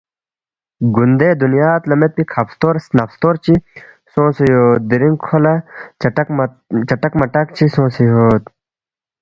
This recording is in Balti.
گوندے دُنیاد لہ میدپی کھب ہلتُور، سنب ہلتُور چی سونگسے یود، دِرِنگ کھو ملا چٹک مَٹک چی سونگسے یود